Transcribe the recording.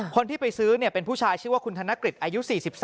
คนที่ไปซื้อเป็นผู้ชายชื่อว่าคุณธนกฤษอายุ๔๓